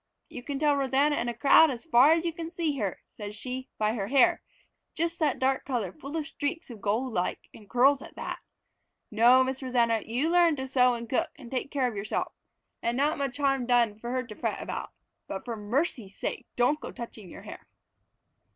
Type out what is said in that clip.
'You can tell Rosanna in a crowd as far as you can see her,' says she, 'by her hair; just that dark color full of streaks of gold like, and curls at that.' No, Miss Rosanna, you can learn to sew and cook and take care of yourself, and not much harm done for her to fret about, but for mercy's sake don't you go touching your hair."